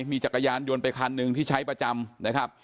มีจักรยานยนต์ไปคันนึงที่ใช้ประจำ